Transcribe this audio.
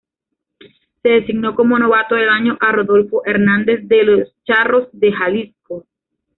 Se designó como novato del año a Rodolfo Hernández de los Charros de Jalisco.